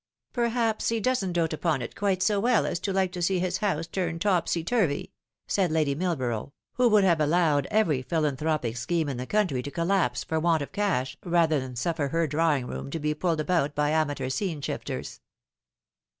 " Perhaps he doesn't dote upon it quite so well as to like to 140 The Fatal in, see his house turned topsy turvy," said Lady Millborough, who would have allowed every philanthropic scheme in the country to collapse for want of cash rather than suffer her drawing room to be pulled about by amateur scene shifters.